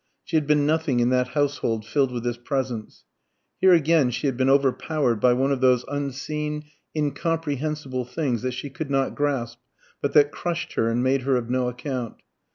She had been nothing in that household filled with his presence. Here again she had been overpowered by one of those unseen, incomprehensible things that she could not grasp, but that crushed her and made her of no account.